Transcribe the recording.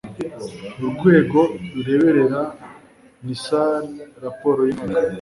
urwego rureberera nisr raporo y umwaka